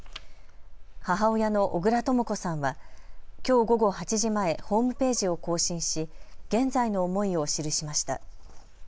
母親の小倉とも子さんはきょう午後８時前ホームページを更新し現在の思いを記しました。